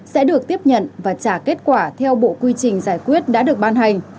sẽ được tiếp nhận và trả kết quả theo bộ quy trình giải quyết đã được ban hành